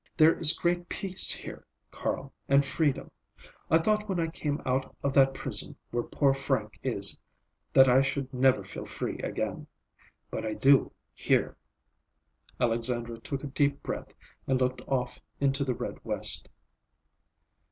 There is great peace here, Carl, and freedom.... I thought when I came out of that prison, where poor Frank is, that I should never feel free again. But I do, here." Alexandra took a deep breath and looked off into the red west.